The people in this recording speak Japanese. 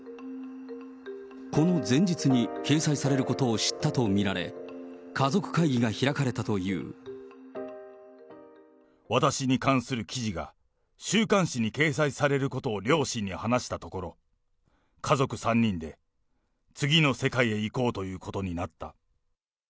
この前日に掲載されることを知ったと見られ、私に関する記事が、週刊誌に掲載されることを両親に話したところ、家族３人で次の世界へ行こうということになった。